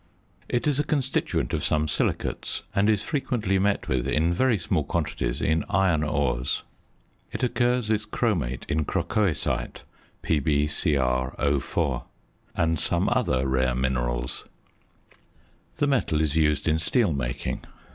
It is a constituent of some silicates, and is frequently met with in very small quantities in iron ores. It occurs as chromate in crocoisite (PbCrO_), and some other rare minerals. The metal is used in steel making.